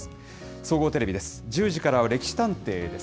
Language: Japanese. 総合テレビです。